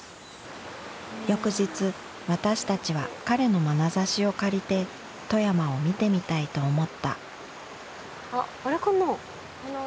翌日私たちは彼の眼差しを借りて富山を見てみたいと思ったあっあれかな？